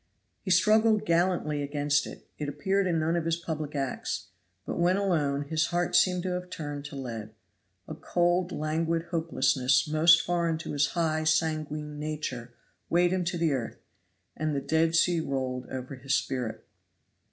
He struggled gallantly against it; it appeared in none of his public acts. But when alone his heart seemed to have turned to lead. A cold, languid hopelessness most foreign to his high, sanguine nature weighed him to the earth, and the Dead Sea rolled over his spirit.